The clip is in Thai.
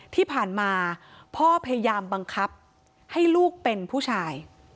ที่ผ่านมาพ่อพยายามบังคับให้ลูกเป็นผู้ชาย